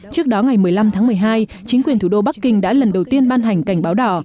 trước đó ngày một mươi năm tháng một mươi hai chính quyền thủ đô bắc kinh đã lần đầu tiên ban hành cảnh báo đỏ